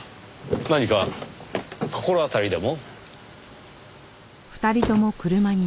何か心当たりでも？